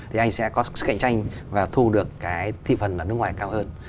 thì anh sẽ có sức cạnh tranh và thu được cái thị phần ở nước ngoài cao hơn